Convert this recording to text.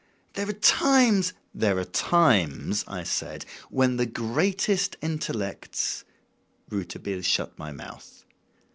There are times..." "There are times," I said, "when the greatest intellects ..." Rouletabille shut my mouth.